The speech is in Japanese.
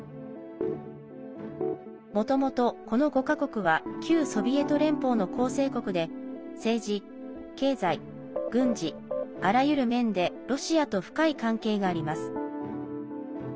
もともと、この５か国は旧ソビエト連邦の構成国で政治、経済、軍事、あらゆる面でロシアと深い関係があります。